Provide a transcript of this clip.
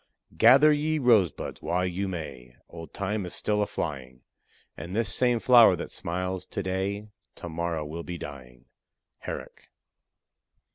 Gather ye rosebuds while you may, Old Time is still a flying; And this same flower that smiles to day To morrow will be dying. HERRICK.